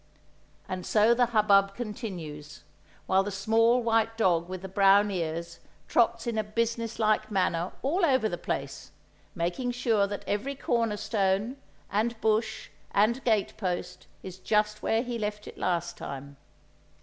And so the hubbub continues, while the small white dog with the brown ears trots in a business like manner all over the place, making sure that every corner stone, and bush, and gate post is just where he left it last time.